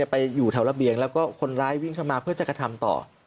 ไปอยู่แถวระเบียงแล้วก็คนร้ายวิ่งเข้ามาเพื่อจะกระทำต่อ